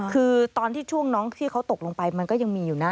คือตอนที่ช่วงน้องที่เขาตกลงไปมันก็ยังมีอยู่นะ